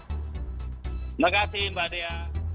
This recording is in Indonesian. terima kasih mbak dea